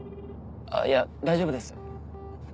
いや大丈夫です。